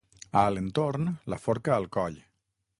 A Alentorn, la forca al coll.